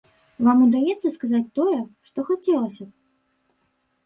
Вам удаецца сказаць тое, што хацелася б?